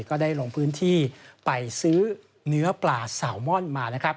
ก็ได้ลงพื้นที่ไปซื้อเนื้อปลาสาวม่อนมานะครับ